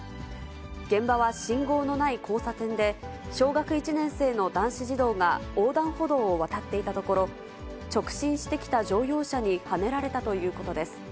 現場は信号のない交差点で、小学１年生の男子児童が横断歩道を渡っていたところ、直進してきた乗用車にはねられたということです。